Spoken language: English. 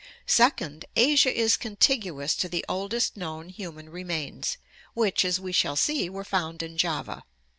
Second, Asia is contiguous to the oldest known human remains, which, as we shall see, were found in Java.